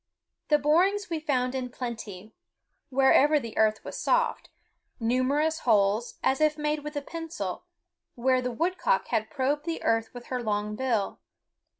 The borings we found in plenty wherever the earth was soft, numerous holes, as if made with a pencil, where the woodcock had probed the earth with her long bill.